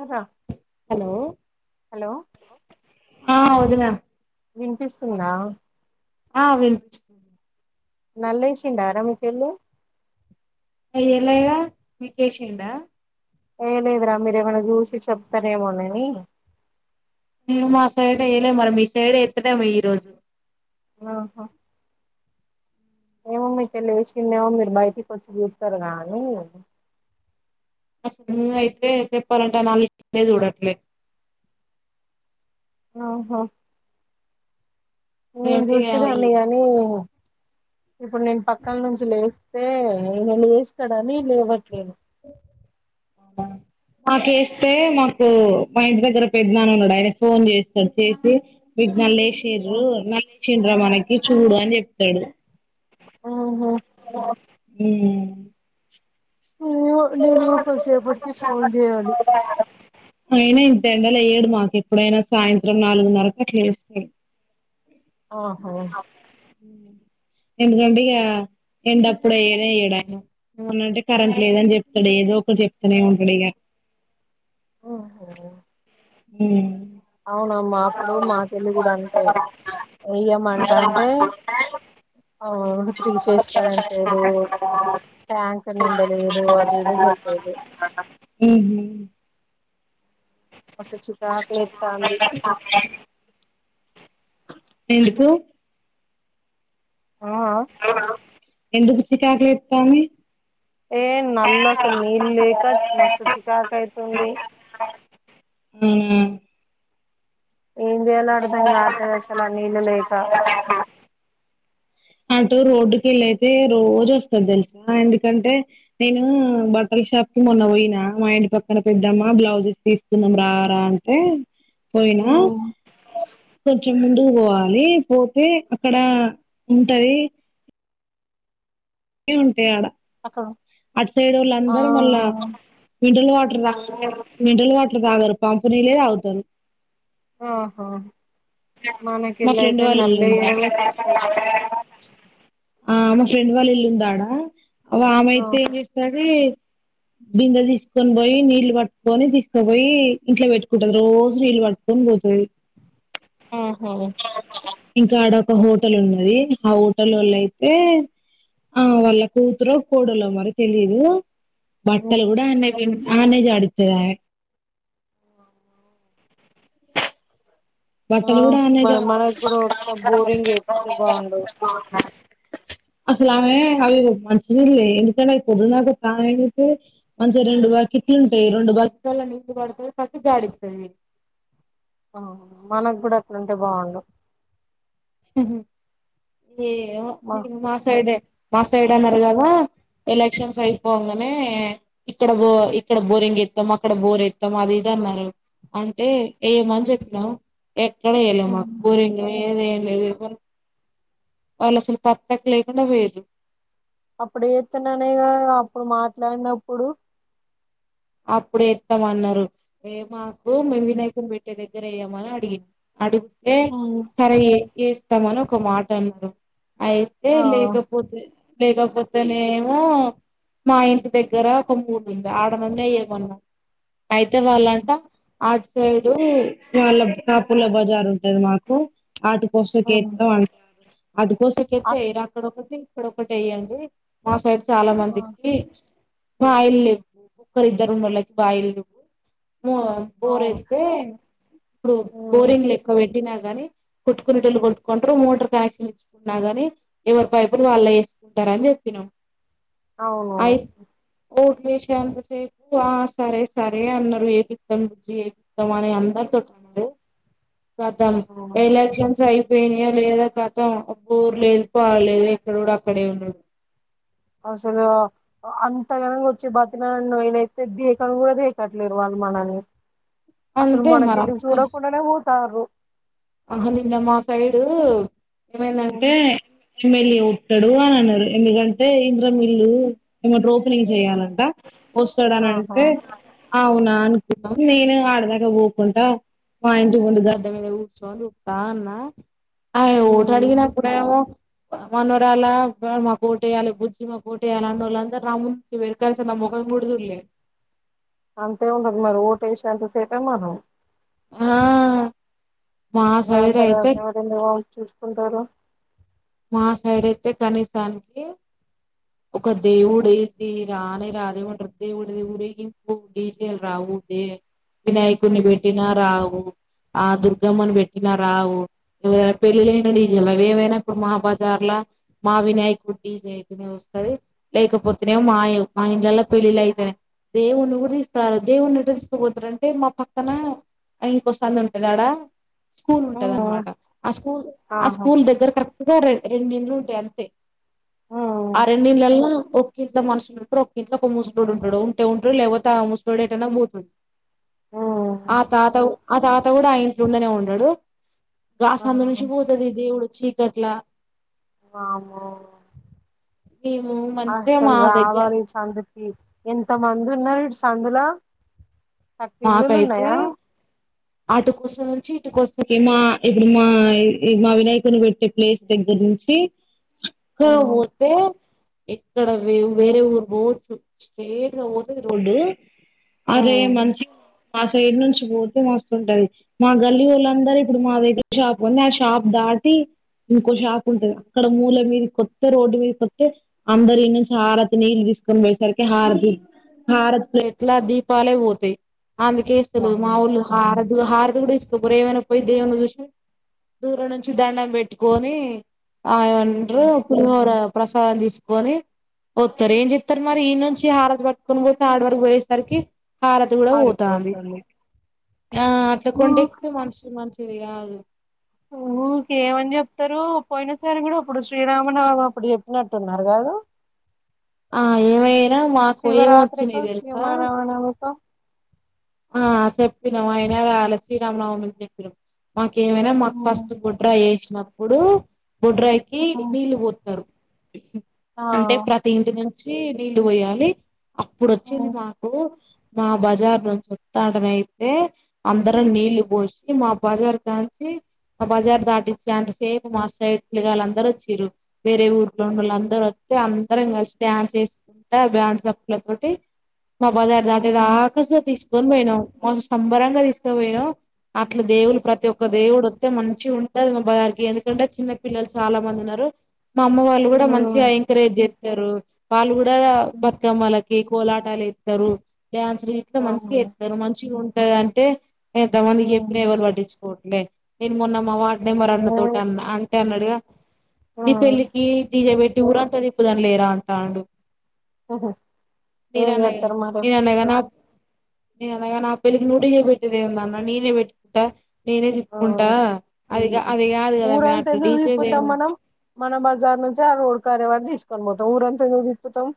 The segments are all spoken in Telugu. అరా ఆ వదినా వినిపిస్తుందా ఆ విన్పిస్ నల్ లేషిండరా మీ పెళ్ళి ఎల్ ఎలా ఎలా పికేషిండా. ఏం లేదురా మీరు ఏమైన్నా చూసి చెప్తరేమోన్నాని. మా సైడ్ వెయలే మరి మీ సైడ్ ఎత్తడేమో ఈ రోజు. ఆహ్. ఎమో మీకేళ్ళి వేసిండ్రేమో మీరు బయటికి వచ్చి చూస్తారు గానీ. అసలు ముందు అయితే చెప్పాలంటే నాదికే చూడట్లే. ఆహ్. నేను ఎందుకంటే ఈ చూసేదాన్ని కాని. ఇప్పుడు నేను పక్కన నుంచి లేస్తే ఈయన లేస్తాడని లేవట్లేను. ఆకేస్తే మాకు మా ఇంటి దగ్గర పెద్దనాన్న ఉన్నాడు ఆయనకు ఫోన్ చేస్తాను చేస్తే విజ్ఞాన్ లే. లేచిండ్రు మళ్లీ లేచిండ్రా మనకి చూడు అని చెప్తాడు. ఆహా హలో ఉమ్. ఏమో నేను కూడా కొద్దిసేపటికి [unintelligible] ఫోన్ చేయాలి పట్టించుకోవాలి. అయినా ఇంత ఎండల వెయ్యడు మాకు ఎప్పుడైనా సాయంత్రం నాలుగున్నరకు అట్లా వేస్తడు. ఆహో. ఎందుకంటే ఇంక ఎండ అప్పుడు వెయ్యనే వెయ్యడాయన. ఏమనంటే కరెంట్ లేదని చెప్తాడు ఏదో ఒకటి చెప్తూనే ఉంటాడు ఇగ. అవునా. ఉమ్. అవునమ్మా అప్పుడు మా పెళ్ళీ కూడ అంతే. వెయ్యమంట అంటే అవు. అవును ఫ్రీసేస్తా అంటే భో. ట్యాంకర్ నిండలేదు అది ఇది అని చెప్పేది. ఉహు. మస్తు ఎంతమాట చికాకులేత్తాంది అంటది ఆమె. ఎందుకు. ఆ ఎందుకు చికాకులేస్తావుంది. ఏం నల్లా అసలు నీళ్ళు లేక మస్తు చికాకు అయితుంది. ఉమ్. ఏం చేయలో అర్థం కావట్లే అసలు ఆ నీళ్ళు లేక. అవునా అటూ రోడ్డుకి ఇళ్ళైతే రోజు వస్తది తెలుసా ఎందుకంటే నేను బట్టల్ షాప్. మొన్న పోయినా మా ఇంటి పక్కన పెద్దమ్మా బ్లౌజెస్ తీసుకున్నాం రారా అంటే. పోయినా ఉమ్, కొంచెం ముందుకు పోవాలి పోతే అక్కడ. ఉంటది. ఉంటాయి ఆడ అక్కడ అటు సైడోళ్ళ ఆ అందరూ మళ్ళ విండల్ వాడ్. మినరల్ వాటర్ తాగారు పంపు నీలే తాగుతారు. ఆహ్. మా ఫ్రెండ్ వాళ్ళు ఇల్లు ఉంది. కష్టం ఆహ్ మా ఫ్రెండ్ వాళ్ళ ఇల్లు ఉందాడా ఆహ్ ఆమె అయితే ఏం ఆహా చేస్తది. బిందలు తీసుకొని పోయి నీళ్లు పట్టుకొని తీసుకపోయి ఇంట్లో పెట్టుకుంటది రోజు నీళ్లు పట్టుకొనిపోతది. ఆహా. ఇంకా అడ ఒక హోటల్ ఉన్నది ఆ హోటలోళ్ళు అయితే. ఆ వాళ్ళ కూతురో కోడలో మరి తెలీదు ఉమ్, బట్టలు కూడా అన్న అన్న జాడిత్తది ఆ బట్టలగూడ అన్నే మ మనకు కూడా ఒకట బోరింగ్ ఏపిత్తే బాగుండు [unintelligible] అసలు ఆ అవి మంచి నీల్ ఎక పొదునదాక కాయబెట్టి మంచి రెండు వ ట్లు ఉంటయి రెండు బక్సలా నింపడుతు జాడిత్తయ్ ఆ మనకు గూడా అట్లుంటే బాగుండు ఏవో మా మాసైడే మా సైడ్ అన్నారు కదా ఎలక్షన్స్ అయిపోంగనే ఇక్కడ బో ఇక్కడ బోరింగ్ ఎత్తాం అక్కడ బోర్ ఎత్తం అది ఇది అన్నారు అంటే ఏమని చెప్పినా ఎక్కడ వెయలే మా ఉమ్. ఊరికా ఏదే దు వాళ్ళు అసలు పట్టక లేకుండా పోయింరు అప్పుడు ఎత్తననేగా అప్పుడు మాట్లాడినప్పుడు అప్పుడే ఏత్తము అన్నారు ఏ మాకు వినాయకున్ని బేట్టే దగ్గర వెయ్యమ అడిగింది అడుగు ఏ సరే ఏ ఏస్తమని ఒక మాట అన్నారు అయితే ఆ లేకపోతే లేకపోతేనేమో మా ఇంటి దగ్గర ఒక మూడు ఉంది ఆడ అండే ఏమన్నా అయితే వాళ్ళంట ఆట్ సైడు వాళ్ళ కాపొల్ల బజార్ ఉంటది మాకు అటు ఉమ్ కోసకేత్త అంటారు అటు కోసంకేత్తేరు అటు అక్కడ ఒకటి ఇక్కడ ఒకటి వేయండి మా సైడ్ చాలా మందికి మా ఆయిల్ ఇ ఒక్కరి ఇద్దరు ఉన్నోళ్ళకి బాయిలు నువ్వు మో బోర్ అయితే ఇప్పుడు బోరింగ్ ఎక్కువ పె కానీ కొట్టుకునేటోళ్ళు కొట్టుకుంటరు మోటార్ కనెక్షన్ ఇచ్చుకున్నా గానీ ఎవరి పైపులు వాళ్లే ఉంటారా అని చెప్పినాం అవును మూడ్ జేసినా సేపు ఆ సరే సరే అన్నరు ఏ పిత్తం రుజి ఏ పిత్తం అని అందరితోటి అన్నారు ఖతం ఎలక్షన్స్ అయి పెనియా లేదా కత ఊర్ లేదు పాలేదు ఎక్కడ కూడా అక్కడే ఉన్నాడు అసలు అంత గనంగా వచ్చే బత ననైతే దేకను కూడాదేకట్లేరు వాల్ మనని అసలు అంతే మరి మనకెళ్ళి చూడకుండానే పోతాండ్రు ఆహ నిన్న మా సైడు ఏమైందంటే మళ్లి ఉట్టడు అని అన్నారు ఎందుకంటే ఇంద్రమ్మ ఇల్లు ఏమ తో ఫ్రీ జేయ్యాలంట ఆహా వస్తడనంటే అవునా అనుకున్నాం నేను ఆడదాకా పోకుంటా మా ఇంటి గుండి గడ్డ మీద కూ చదుతా అన్నా ఆయ ఓట ఉమ్ అడిగినప్పుడేమో మనోరాల మా కోటేయాలి బుజ్జి మా కోటేయాలి అన్నోళ్ళ అందరుముంచిరు కలిస మూడుదులే అంతే ఉండదు మరి ఓటేసేంతసేపే మనం ఆ మా నా సైడ్ తర్వాత అయితే ఎవరంది వా చూసుకుంటారు మా సైడ్ అయితే కనీసానికి ఒక దేవుడు ఇది రానే రాదే ఉంటారు దేవుడు దేవుడి ఊరేగింపు ఇ రావు వినాయకుడిని పెట్టిన రావు ఆ దుర్గమ్మని పెట్టిన రావు ఎవరైనా పెళ్ళి అయిన డీజేలు అవి ఏవైనా ఇప్పుడు మా బజ్జర్ల మా వినాయకుడు డీజే ఐతేనే వస్తుంది లేకపోతేనే మా మ ఇల్లాల పెళ్లిళ్లు అయితనై దేవుని కూడా తీసుకురారు దేవుని ఎటో తీస్కుపోతారంటే మా పక్కన ఇంకోసాందు ఉంటది ఆడా స్కూల్ హ్మ్. ఉంటదాన్మాట ఆ స్కూల్ ఆ ఆహా స్కూల్ దగ్గర కరెక్ట్గా రెండు ఇళ్ళు ఉంటాయి అంతే ఉమ్ ఆ రెండుల్లాలో ఒకింత మనసుు ఉంటడు ఒక్కకింద ఒక ముసలోడు ఉంటాడు ఉంటే ఉంటాడు లేకపోతే ఆ ముసలోడు ఏటైనా పోతడు అ ఆ తాత ఆ తాత కూడా ఆ ఇట్లోండనే ఉన్నాడు గ్లాస్ ఆ అందునుంచి పోతుది దేవుడు చీకట్ల వామ్మో మేము మంచిగా అస్సల్ మా దగ్గర రావాలి సంగ్ ఎంత మంది ఉన్నారు ఇటు సందులో థర్టీ ఇల్లులు నాకైతే ఉన్నాయా అటు కోసం నుంచి ది మా ఇప్పుడు మా మా వినాయకుని పెట్టే ప్లేస్ దగ్గర నుంచి సక్కగా ఉమ్ పోతే ఎక్కడే వేరే ఊరు పోవచ్చు స్ట్రేట్గా పోతది రోడ్డు అరే ఉమ్ మన్ష మా సైడ్ నుంచి పోతే మస్తుంటది మా గల్లీవోల్లు అందరూ ఇప్పుడు మా దగ్గర షాప్ ఉంది ఆ షాప్ ద ఆది ఇంకో షాప్ ఉంటది అక్కడ మూల మీద కొత్త రోడ్డు మీద కొత్తతే అందరి నుంచి ఆరాతి నీళ్ళు తీసుకొని పోయేసరికి హారతి హారతి ప్లేట్ల దీపాలే పోతాయి్ అందుకేఇస్తలేదు వామ్మో మావోలు హారతి హర్ కూడా తీసుకోపోరు ఏమైనా పోయి దేవుని చూసి దూరం నుంచి దండం పెట్టుకొని ఆయంటూ ఉమ్ పులిహోర ప్రసాదం తీసుకొని వత్తారు ఏం చెప్తారు మరి ఈ నుంచి హారతి పట్టుకొని పోతే ఆడ వరకు పోయేసరికి హారతి కూడా పోతంది ఆరిపోతుంది ఆ అట్లా ఊ కొండ ఎక్తే మనుషులు మ చేదికాదు ఓ క ఏమని చెప్తారు పోయిన సారి కూడా ఇప్పుడు శ్రీరామనవమాపుడు చెప్పినట్టున్నారు కాద ఆ ఏమైనా మాకు శివరాత్రికొ ఏమొచ్చినాయి తెలుసా శ్రీవర మానవమిికొ ఆ చెప్పినాం ఆయన రాలే శ్రీరామనవమి చెప్పినాం మాకేమైనా మాకు ఉమ్ ఫస్ట్ గొడ్రాయి ఎస్నప్పుడు గొడ్రాయికి ఉమ్ నీళ్ళు పోతారు ఆ అంటే ప్రతి ఇంటి నుంచి నీళ్ళు పోయాలి అప్పుడు వచ్చింది ఉమ్ మాకు మా బజార్ నుంచే తాడనయితే అందరం నీళ్ళ పోసి మా బజార్ కాంచి ఆ బజార్ దాటిస్తే అంతసేపు మాస్టై పిల్లలందరు వచ్చరు వేరే ఊర్లో ఉండ వాళ్ళ అందరుూ అందరం కలిసి డాన్సస్కుంటా ఆ డ్యాన్స్ అప్పుల తోటి మా బజార్ దాటే ఉమ్ దాక తీసుకొని పోయినా మాంచి సంబరంగా తీసుకుపోయినం అట్లు దేవులు ప్రతి ఒక్ ఒక దేవుడు వొతే మంచిగా ఉంటది మాారికి ఎందుకంటే చిన్న పిల్లలు చాలా మంది ఉన్నారు మా అమ్మ వాళ్ళు కూడా మంచిగా ఉమ్ ఎంక్రాజె చెత్తరు వాళ్ళు కూడా బతుకమ్మలకి కోలాటాలు ఎత్తరు డ్యాన్స్లు గిట్ల మంచిగా అవును. చెత్తరు మంచిగా ఉంటది అంటే ఎంతమందికి చెప్పిన ఉమ్ ఎవరు పట్టించుకోవట్లే నేను మొన్న మా వార్డ్ నెంబర్ అన్న తోటి అన్నా అంటే అన్నడు ని ఉమ్ పెళ్ళికి డీజేవేట్టి ఊరంతా తిప్పుదాం లేరా అంటాండు ఏం నేన్నగా చేస్తారు మరి నేను అన్నగా నా నేన్నగా నా పెళ్లికి నువు డీజే పెట్టేదేముదన్న నేనే పెట్కుంటా నేనే ఉమ్ చెప్పుకుంటా అదిగ అది కాదు కదా ఊరంత మ్యాటరు ఎందుకు డీజె తిప్పుతాం దేముం మనం మన బజార్ నుంచి ఆ రోడ్డు కారేవాడి తీసుకొని పోతాం ఊరంతా ఎందుకు తిప్పుతాం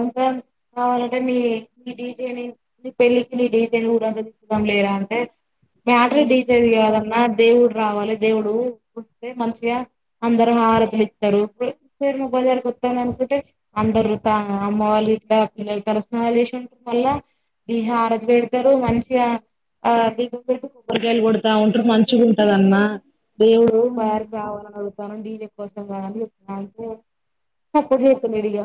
అంత కావాలంటే నీ నీ డీజెని నీ పెళ్ళికి నీ డీజెను ఊరంత తిప్పుతం లేరా అంటే మ్యాటరే డీజే ది కాదన్నా దేవుడు రావాలే దేవుడు వస్తే మంచిగా అందరు హారతులు ఇత్తరు ఇప్పుడు బజారుకు వతందనుకుంటే అనుకుంటే అందరు అమ్మ వాళ్ళ ఇట్ల పిల్లలు తలస్నానాలు చేసిలు మళ్ళ దిహ హరతి పెడుతరు మంచిగా ఆ దీపం పెడుతూ కొబ్బరికాయలు కొడతా ఉంటారు మంచి గుంటదమ్మ దేవుడు బజారుకు రావలను డీజే కోసం కాదు అని చెప్తంటే సప్పుడు చేతలేడు ఇగ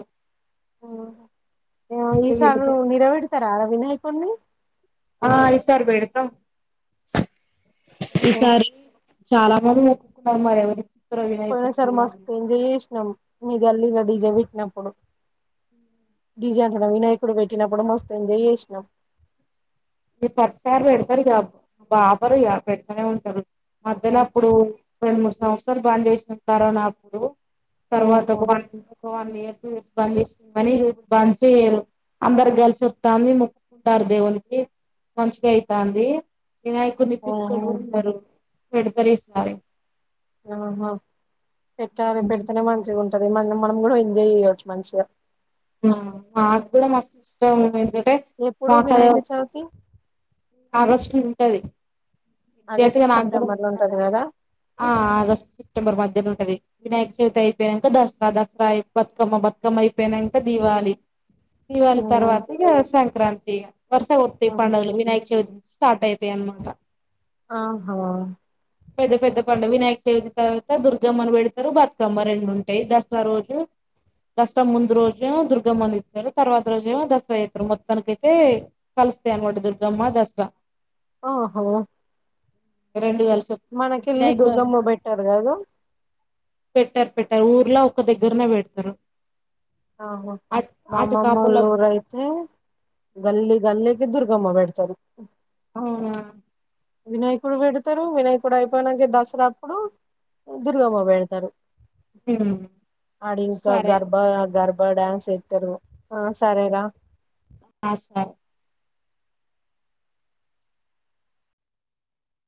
ఈసారి వెళ్ళిపో నిలబెడతారా వినాయకున్నీ ఆ ఈసారి పెడతం ఈసారి చాలా మంది మొక్కుకున్నరు మరి ఎవలి పోయినా సారి మస్తు ఎంజాయ్ చేసినాం మీ గల్లీల డీజె పెట్టినప్పుడు డీజె అంటన్న వినాయకుడు పెట్టినప్పుడు మస్తు ఎంజాయ్ చేసినాం మీరు ప్రతిసారి పెడతారు గా ఇక అపరు పెడతనే ఉంటరు మధ్యలో అప్పుడు రెండు మూడు సంవత్సరాలు బంజేసినం కరోనా అప్పుడు తర్వాత ఒక వన్ ఒక వన్ ఇయర్ టూ ఇయర్స్ బంజేసినం కని ఇగ ఇప్పుడు బంజే య్యరు అందరు కలిసి లిసి వత్తంది మొక్కుకుంటారు దేవునికి మంచిగా అయితంది వినాయకున్ని ఇప్పించేటోలు కూడా ఉన్నారు పెడతారు ఈసారి ఆహా పెట్టాలి పెడితేనే మంచిగా ఉంటది మ మనం కూడం ఎంజాయ్ చేయచ్చు మంచిగా మాకు కూడా మస్తు ఇష్టం ఎప్పుడు వినాయక చవితి ఆగస్ట్ ల ఉంటది ఆగస్టు ఎక్సక్టుగా నాకు కూడా సెప్టెంబర్ లో ఉంటది కదా ఆ ఆగస్ట్ సెప్టెంబర్ మధ్యల ఉంటది వినాయక చవితి అయిపోయినంక దసరా దసరా బతుకమ్మ బతుకమ్మ అయిపోయినంక దీవాళి దివాళి తర్వాత ఇగ సంక్రాంతి ఇగ వరుస వొత్తాయి పండుగలు వినాయక చవితి నుంచి స్టార్ట్ అయితాయి అన్మట ఆహా పెద్ద పెద్ద పండుగ వినాయక చవితి తర్వాత దుర్గమ్మను పెడతారు బతుకమ్మ రెండు ఉంటాయి దసరా రోజు దసరా ముందు రోజు దుర్గమ్మను తిత్తారు తర్వాత రోజు ఏమో దసరా చెత్తరు మొత్తానికై తే వస్తాయి అన్మట దుర్గమ్మ దసరా ఓహో రెండు కలిసి వస్తాయి. మనకెళ్ళి వినాయక దుర్గమ్మ పెట్టరు కాదు పెట్టారు పెట్టారు ఊర్ల ఒక దగ్గరనే పెడతారు ఆహా అట్ మా అటు అమ్మమ్మ కాపుల వొళ్ళ ఊరయితే గల్లి గల్లికి దుర్గమ్మ పెడతరు అవున వినాయకుడు పెడతారు వినాయకుడు అయిపోయినక దసరా అప్పుడు దుర్గమ్మ పెడతారు ఉమ్. అడ ఇంకా సరే గర్బ గర్భ డ్యాన్స్ ఎతారు ఆ సరేరా ఆ సర